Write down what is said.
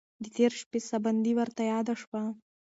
د تېرې شپې ساه بندي ورته یاده شوه.